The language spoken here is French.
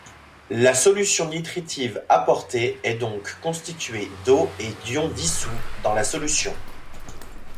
La solution nutritive apportée est donc constituée d'eau et d'ions dissous dans la solution.